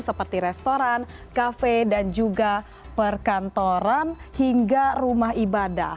seperti restoran kafe dan juga perkantoran hingga rumah ibadah